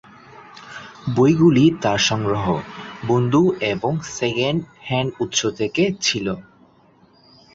বইগুলি তার সংগ্রহ, বন্ধু এবং সেকেন্ড হ্যান্ড উৎস থেকে ছিল।